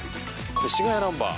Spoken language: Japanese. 越谷ナンバー！